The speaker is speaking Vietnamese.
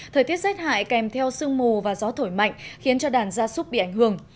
thời tiết rét hại kèm theo sương mù và gió thổi mạnh khiến cho đàn gia súc bị ảnh hưởng